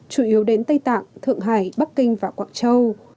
chủ yếu đến tây tạng thượng hải bắc kinh và quạng châu